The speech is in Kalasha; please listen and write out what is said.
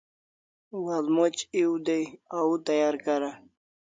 Walmoc ew day, au tayar kara